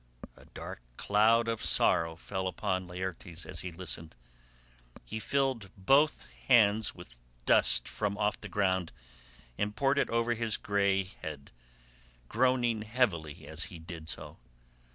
A dark cloud of sorrow fell upon Laertes as he listened. He filled both hands with the dust from off the ground and poured it over his grey head, groaning heavily as he did so.